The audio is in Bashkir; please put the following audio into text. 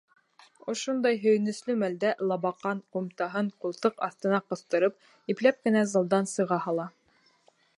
Ошондай һөйөнслө мәлдә Лабаҡан, ҡумтаһын ҡултыҡ аҫтына ҡыҫтырып, ипләп кенә залдан сыға һала.